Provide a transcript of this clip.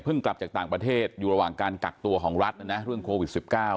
กลับจากต่างประเทศอยู่ระหว่างการกักตัวของรัฐนะนะเรื่องโควิด๑๙